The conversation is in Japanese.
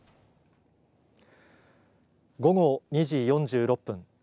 午後２時４６分。